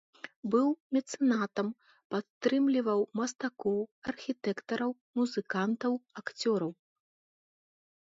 Быў мецэнатам, падтрымліваў мастакоў, архітэктараў, музыкантаў, акцёраў.